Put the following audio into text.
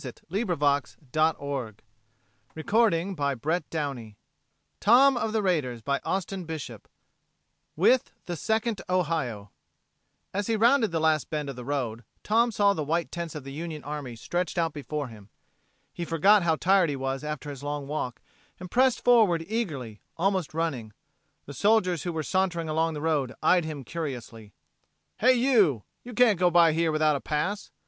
"I didn't want to come here, Marjorie, for fear I'd get you into trouble " CHAPTER ONE WITH THE SECOND OHIO As he rounded the last bend of the road, Tom saw the white tents of the Union army stretched out before him. He forgot how tired he was after his long walk, and pressed forward eagerly, almost running. The soldiers who were sauntering along the road eyed him curiously. "Hey, you! You can't go by here without a pass!"